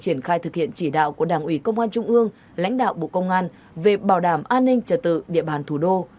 công an tp hà nội đã thực hiện chỉ đạo của đảng ủy công an trung ương lãnh đạo bộ công an về bảo đảm an ninh trả tự địa bàn thủ đô